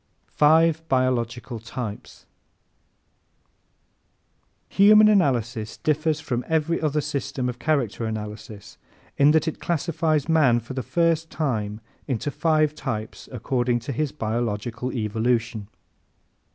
Five Biological Types ¶ _Human Analysis differs from every other system of character analysis in that it classifies man, for the first time, into five types according to his biological evolution.